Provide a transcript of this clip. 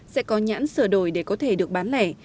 sẽ có nhãn sửa đổi để có thể được bán lẻ